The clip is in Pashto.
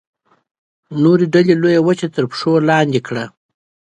نورې ډلې لویه وچه تر پښو لاندې کړه.